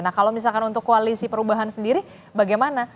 nah kalau misalkan untuk koalisi perubahan sendiri bagaimana